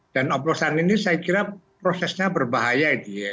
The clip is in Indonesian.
dan oplosan ini saya kira prosesnya berbahaya